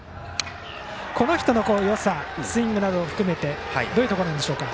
この人のよさスイングなども含めてどういうところなんでしょうか。